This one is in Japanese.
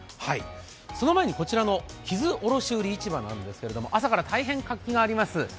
その前にこちらの木津卸売市場なんですが、朝から大変活気があります。